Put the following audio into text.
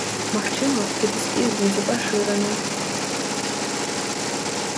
Магчыма, гэты спіс будзе пашыраны.